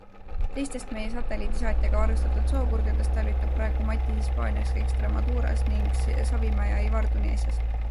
Teistest meie satelliitsaatjaga varustatud sookurgedest talvitab praegu Mati Hispaanias Extremaduras ning Savimäe ja Ivar Tuneesias.